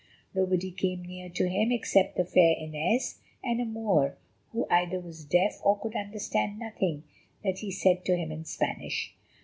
Nobody came near to him except the fair Inez, and a Moor who either was deaf or could understand nothing that he said to him in Spanish.